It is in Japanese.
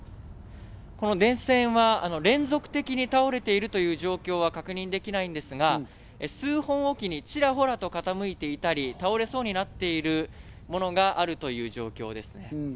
電線は連続的に倒れているという状況は確認できないんですが、数本おきにちらほらと傾いていたり倒れそうになっているものがあるという状況です。